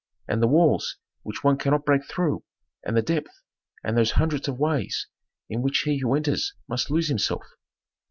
And the walls which one cannot break through, and the depth, and those hundreds of ways in which he who enters must lose himself.